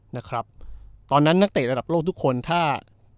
นะครับตอนนั้นนักเตะระดับโลกทุกคนถ้า